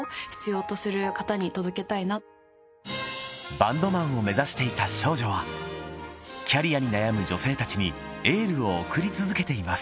バンドマンを目指していた少女はキャリアに悩む女性達にエールを送り続けています